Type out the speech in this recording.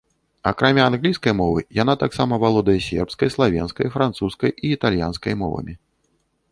Акрамя англійскай мовы, яна таксама валодае сербскай, славенскай, французскай і італьянскай мовамі.